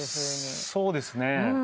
そうですね。